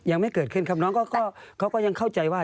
ยังไม่เกิดขึ้นครับน้องเขาก็ยังเข้าใจว่า